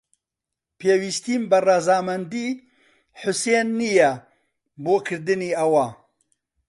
پێویستیم بە ڕەزامەندیی حوسێن نییە بۆ کردنی ئەوە.